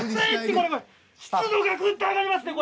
湿度がぐっと上がりますね。